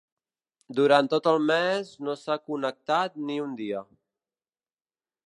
Durant tot el mes no s’ha connectat ni un dia.